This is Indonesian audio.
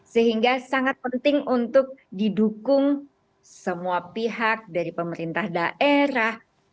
sehingga sangat penting untuk didukung semua pihak dari pemerintah daerah